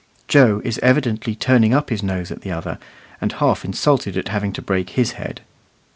Joe is evidently turning up his nose at the other, and half insulted at having to break his head.